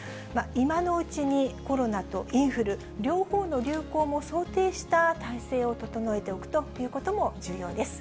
今のうちにコロナとインフル、両方の流行も想定した体制を整えておくということも重要です。